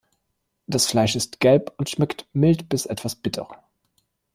Das Fleisch ist gelb und schmeckt mild bis etwas bitter.